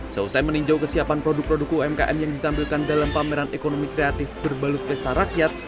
selesai meninjau kesiapan produk produk umkm yang ditampilkan dalam pameran ekonomi kreatif berbalut pesta rakyat